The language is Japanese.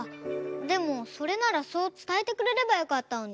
でもそれならそうつたえてくれればよかったのに。